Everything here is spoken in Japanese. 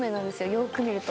よく見ると。